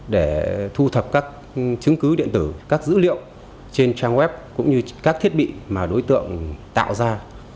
để thu thập các chứng cứ điện tử các dữ liệu trên trang web cũng như các thiết bị mà đối tượng tạo ra